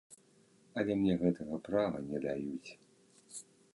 Але мне гэтага права не даюць.